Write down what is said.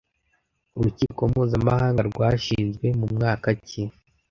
Urukiko mpuzamahanga rwashinzwe mu mwaka ki